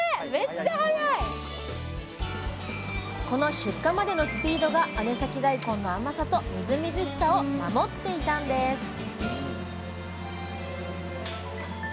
この出荷までのスピードが姉崎だいこんの甘さとみずみずしさを守っていたんです！